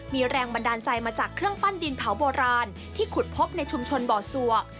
มีแรงบันดาลใจมาจากเครื่องปั้นดินเผาโบราณที่ขุดพบในชุมชนบ่อสัว